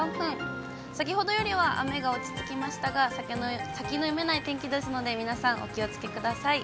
先ほどよりは雨が落ち着きましたが、先の読めない天気ですので、皆さん、お気をつけください。